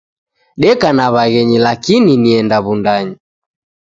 Deka na waghenyi lakini nienda Wundanyi.